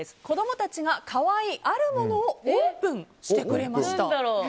子供たちが可愛いあるものをオープンしてくれました。